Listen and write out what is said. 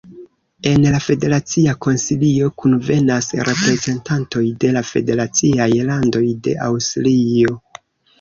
En la Federacia Konsilio kunvenas reprezentantoj de la federaciaj landoj de Aŭstrio.